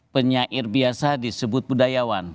penyair biasa disebut budayawan